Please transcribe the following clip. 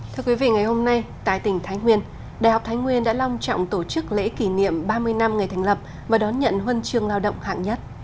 thưa quý vị ngày hôm nay tại tỉnh thái nguyên đại học thái nguyên đã long trọng tổ chức lễ kỷ niệm ba mươi năm ngày thành lập và đón nhận huân chương lao động hạng nhất